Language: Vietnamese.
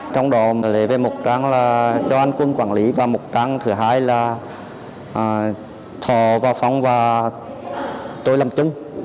trong đó lấy về một trang là cho anh quân quản lý và một trang thứ hai là thọ và phong và tôi làm chứng